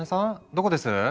どこです？